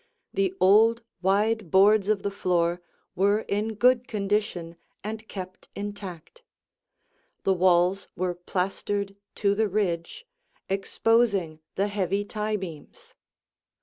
The old, wide boards of the floor were in good condition and kept intact. The walls were plastered to the ridge, exposing the heavy tie beams.